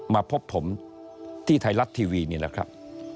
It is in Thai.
มาพบผมที่ไทยรัฐทีวีนี่แหละครับ